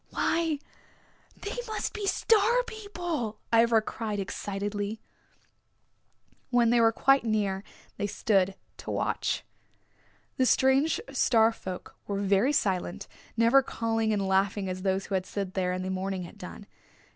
"Why, they must be Star People," Ivra cried excitedly. When they were quite near they stood to watch. The strange Star folk were very silent, never calling and laughing as those who had slid there in the morning had done.